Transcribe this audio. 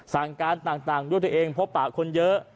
สั่งการต่างด้วยตัวเองพบปะคนเยอะ